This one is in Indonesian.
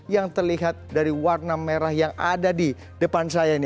yang terlihat dari warna merah yang ada di depan saya ini